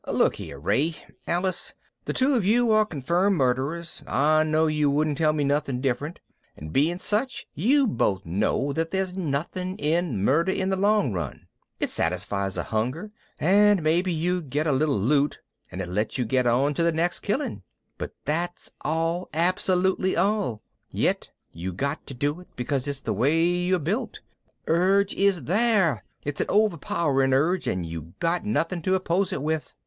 Look here, Ray ... Alice ... the two of you are confirmed murderers, I know you wouldn't tell me nothing different, and being such you both know that there's nothing in murder in the long run. It satisfies a hunger and maybe gets you a little loot and it lets you get on to the next killing. But that's all, absolutely all. Yet you got to do it because it's the way you're built. The urge is there, it's an overpowering urge, and you got nothing to oppose it with.